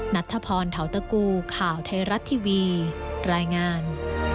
นัทธพรเทาตะกูข่าวไทยรัฐทีวีรายงาน